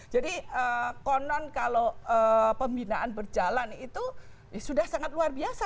jadi konon kalau pembinaan berjalan itu sudah sangat luar biasa